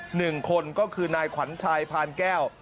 หนึ่งคนก็คือนายขวัญชัยพานแก้ว